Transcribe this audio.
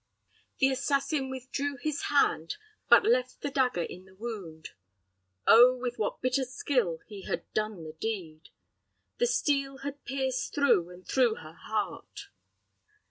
The assassin withdrew his hand, but left the dagger in the wound. Oh, with what bitter skill he had done the deed! The steel had pierced through and through her heart!